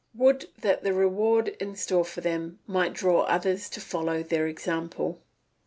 Would that the reward in store for them might draw others to follow their example.